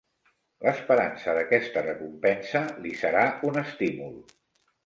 L'esperança d'aquesta recompensa li serà un estímul.